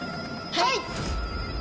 はい！